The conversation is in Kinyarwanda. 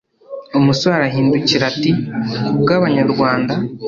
umusore arahindukira ati"kubwa banyarwanda